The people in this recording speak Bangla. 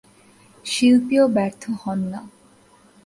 শিল্পীও ব্যর্থ হন না।